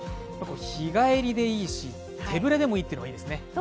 日帰りでいいし、手ぶらでもいいというのがいいですね。